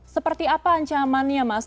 seperti apa ancamannya mas